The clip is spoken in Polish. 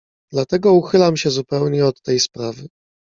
"Dlatego uchylam się zupełnie od tej sprawy."